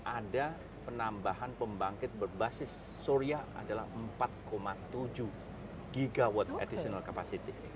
ada penambahan pembangkit berbasis surya adalah empat tujuh gigawatt additional capacity